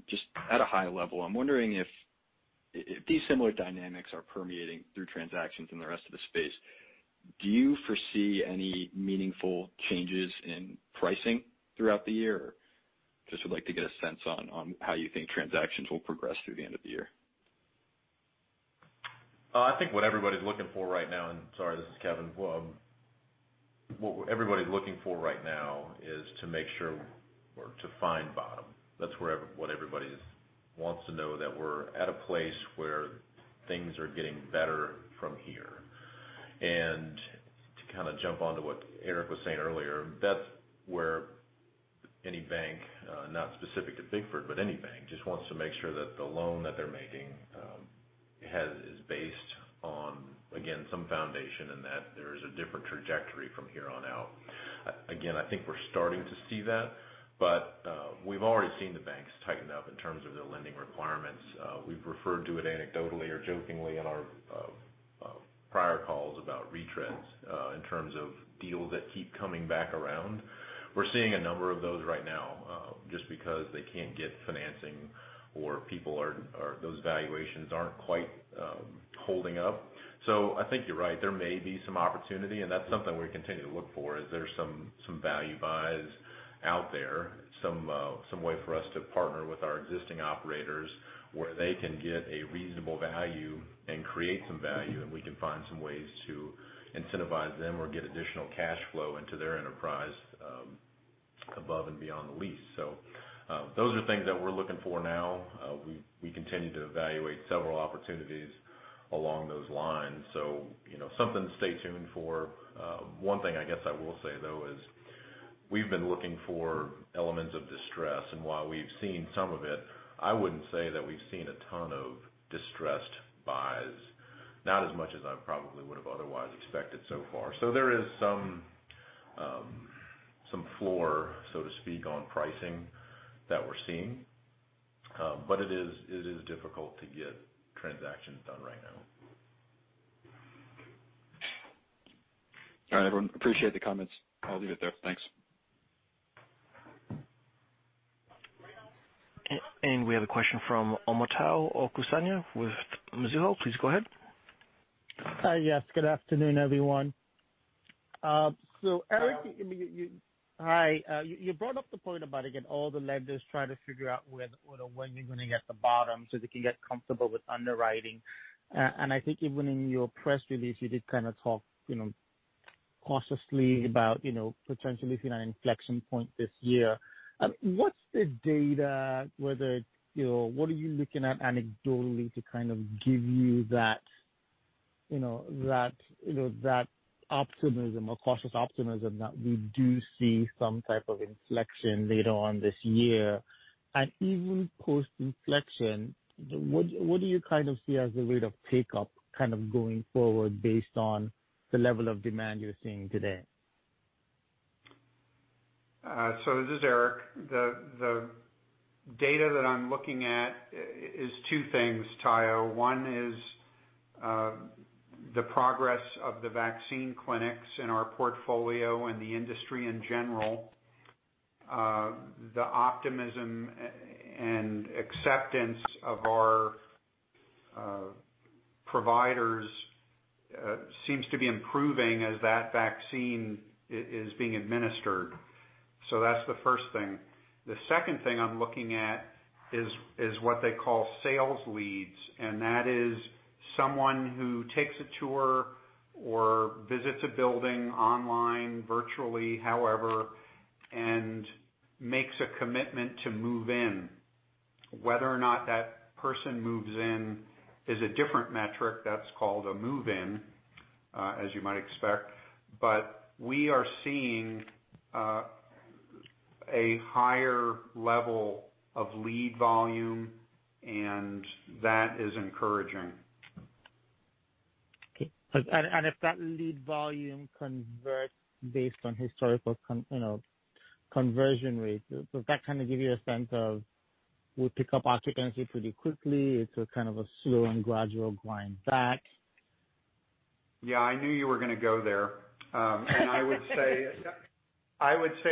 Just at a high level, I'm wondering if these similar dynamics are permeating through transactions in the rest of the space. Do you foresee any meaningful changes in pricing throughout the year? Just would like to get a sense on how you think transactions will progress through the end of the year. Sorry, this is Kevin. What everybody's looking for right now is to make sure or to find bottom. That's what everybody wants to know, that we're at a place where things are getting better from here. To kind of jump onto what Eric was saying earlier, that's where any bank, not specific to Bickford, but any bank, just wants to make sure that the loan that they're making is based on, again, some foundation and that there's a different trajectory from here on out. Again, I think we're starting to see that, but we've already seen the banks tighten up in terms of their lending. We've referred to it anecdotally or jokingly in our prior calls about retreads, in terms of deals that keep coming back around. We're seeing a number of those right now, just because they can't get financing or those valuations aren't quite holding up. I think you're right. There may be some opportunity, and that's something we continue to look for, is there some value buys out there, some way for us to partner with our existing operators where they can get a reasonable value and create some value, and we can find some ways to incentivize them or get additional cash flow into their enterprise above and beyond the lease. Those are things that we're looking for now. We continue to evaluate several opportunities along those lines. Something to stay tuned for. One thing I guess I will say, though, is we've been looking for elements of distress. While we've seen some of it, I wouldn't say that we've seen a ton of distressed buys, not as much as I probably would have otherwise expected so far. There is some floor, so to speak, on pricing that we're seeing. It is difficult to get transactions done right now. All right, everyone. Appreciate the comments. I'll leave it there. Thanks. We have a question from Omotayo Okusanya with Mizuho. Please go ahead. Hi. Yes, good afternoon, everyone. Eric, you brought up the point about, again, all the lenders trying to figure out when you're going to get the bottom so they can get comfortable with underwriting. I think even in your press release, you did kind of talk cautiously about potentially seeing an inflection point this year. What's the data? What are you looking at anecdotally to kind of give you that optimism or cautious optimism that we do see some type of inflection later on this year? Even post-inflection, what do you kind of see as the rate of take-up going forward, based on the level of demand you're seeing today? This is Eric. The data that I'm looking at is two things, Tayo. One is the progress of the vaccine clinics in our portfolio and the industry in general. The optimism and acceptance of our providers seems to be improving as that vaccine is being administered. That's the first thing. The second thing I'm looking at is what they call sales leads, and that is someone who takes a tour or visits a building online, virtually, however, and makes a commitment to move in. Whether or not that person moves in is a different metric. That's called a move-in, as you might expect. We are seeing a higher level of lead volume, and that is encouraging. Okay. If that lead volume converts based on historical conversion rates, does that kind of give you a sense of will pick up occupancy pretty quickly? It's a kind of a slow and gradual grind back? Yeah, I knew you were going to go there. I would say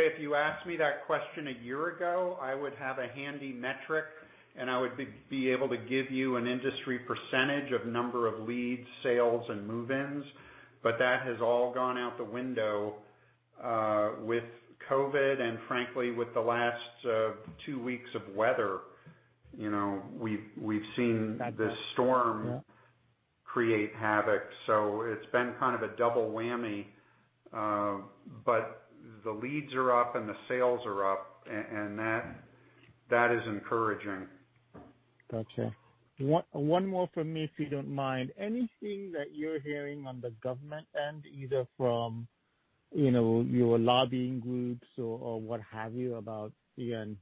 if you asked me that question one year ago, I would have a handy metric, and I would be able to give you an industry percentage of number of leads, sales, and move-ins. That has all gone out the window. With COVID and frankly, with the last two weeks of weather, we've seen this storm create havoc. It's been kind of a double whammy. The leads are up and the sales are up, and that is encouraging. Got you. One more from me, if you don't mind. Anything that you're hearing on the government end, either from your lobbying groups or what have you, about the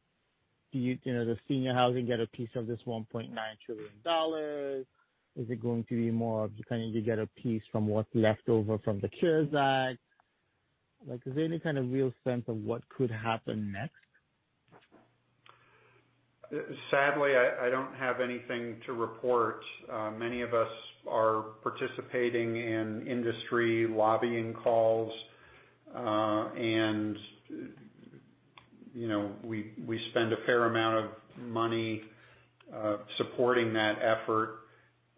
senior housing get a piece of this $1.9 trillion? Is it going to be more of, kind of, you get a piece from what's left over from the CARES Act? Is there any kind of real sense of what could happen next? Sadly, I don't have anything to report. Many of us are participating in industry lobbying calls. We spend a fair amount of money supporting that effort.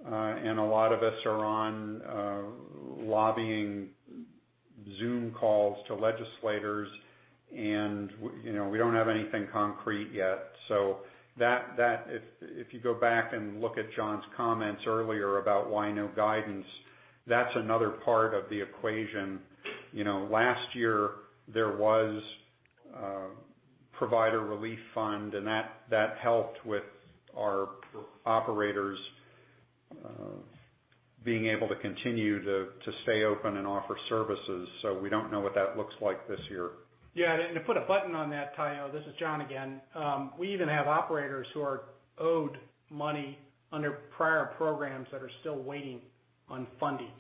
A lot of us are on lobbying Zoom calls to legislators, and we don't have anything concrete yet. If you go back and look at John's comments earlier about why no guidance, that's another part of the equation. Last year, there was Provider Relief Fund, and that helped with our operators being able to continue to stay open and offer services. We don't know what that looks like this year. Yeah. To put a button on that, Tayo, this is John again. We even have operators who are owed money under prior programs that are still waiting on funding.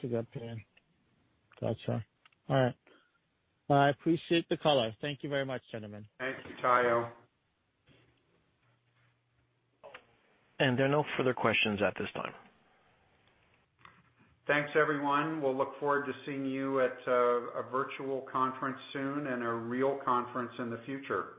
Gotcha. All right. I appreciate the color. Thank you very much, gentlemen. Thank you, Tayo. There are no further questions at this time. Thanks, everyone. We'll look forward to seeing you at a virtual conference soon and a real conference in the future.